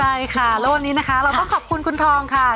และวันนี้เราต้องขอบคุณคุณทองค่ะ